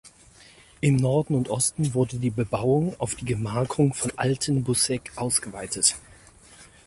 Im Norden und Osten wurde die Bebauung auf die Gemarkung von Alten-Buseck ausgeweitet.